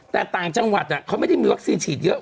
แต่ต่างจังหวัดเขาไม่ได้มีวัคซีนฉีดเยอะ